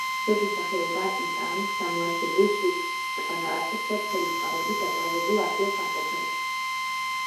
ზოგი სახეობა იტანს დამლაშებულ სუბსტრატს და ცხელი წყაროებით დაჭაობებულ ადგილსამყოფელს.